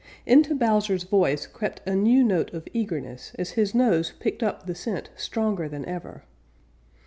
Into Bowser's voice crept a new note of eagerness as his nose picked up the scent stronger than ever.